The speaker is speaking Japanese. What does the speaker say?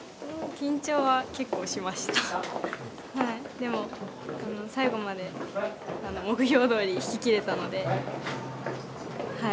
でも最後まで目標どおり弾ききれたのではい。